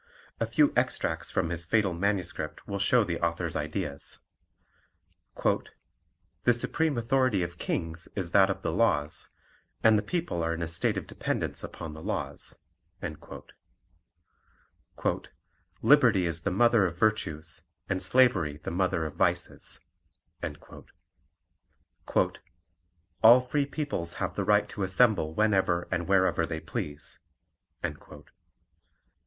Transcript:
A few extracts from his fatal MS. will show the author's ideas: "The supreme authority of kings is that of the laws, and the people are in a state of dependence upon the laws." "Liberty is the mother of virtues, and slavery the mother of vices." "All free peoples have the right to assemble whenever and wherever they please."